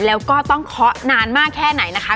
แล้วก็ต้องเคาะนานมากแค่ไหนนะคะ